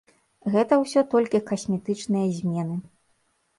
Гэта ўсё толькі касметычныя змены.